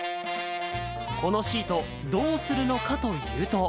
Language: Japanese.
このシート、どうするのかというと。